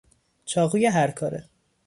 چاقوی هر کاره